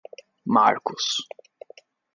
marcos